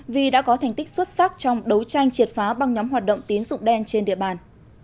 vì đã có thành tích xuất sắc trong đấu tranh triệt phá băng nhóm hoạt động tín dụng đen trên địa bàn